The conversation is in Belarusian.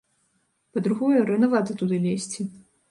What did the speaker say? Па-другое, ранавата туды лезці.